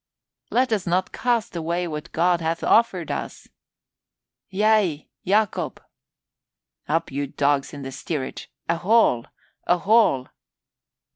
"Let us not cast away what God hath offered us!" "Yea, Yacob!" "Up, you dogs in the steerage! A hall, a hall!"